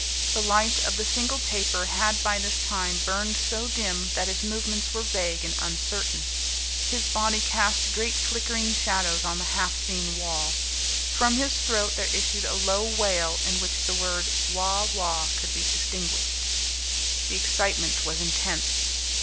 The light of the single taper had by this time burned so dim that his movements were vague and uncertain. His body cast great flickering shadows on the half seen wall. From his throat there issued a low wail in which the word wah! wah! could be distinguished. The excitement was intense.